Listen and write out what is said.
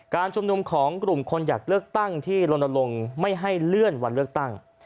ชุมนุมของกลุ่มคนอยากเลือกตั้งที่ลนลงไม่ให้เลื่อนวันเลือกตั้ง